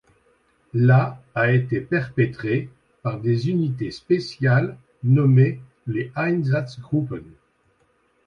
La a été perpétrée par des unités spéciales nommées les Einsatzgruppen.